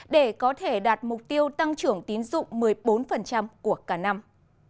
để có thể đạt mục tiêu tăng trưởng tín dụng một mươi bốn của cả năm